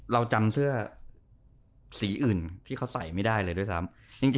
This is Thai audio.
เราจำเสื้อสีอื่นที่เขาใส่ไม่ได้เลยด้วยซ้ำ